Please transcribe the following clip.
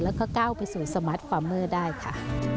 แล้วก็ก้าวไปสู่สมาร์ทฟาร์เมอร์ได้ค่ะ